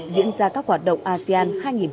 diễn ra các hoạt động asean hai nghìn hai mươi